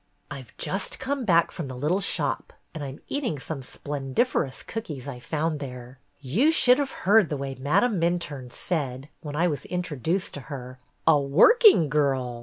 "I 've just come back from the little shop and I 'm eating some splendiferous cookies I found there. "You should have heard the way Madame Minturne said, when I was introduced to her, 'A working girl